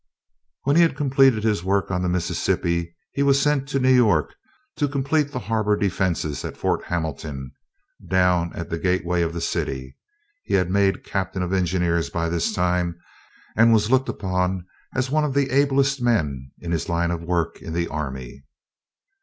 When he had completed his work on the Mississippi, he was sent to New York to complete the harbor defenses at Fort Hamilton down at the gateway of the city. He had been made captain of engineers by this time, and was looked upon as one of the ablest men in his line of work, in the army.